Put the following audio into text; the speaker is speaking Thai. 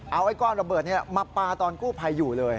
เอาไอ้ก้อนระเบิดนี้มาปลาตอนกู้ภัยอยู่เลย